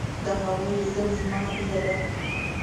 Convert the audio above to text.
د هغوی لیدل زما هیله ده.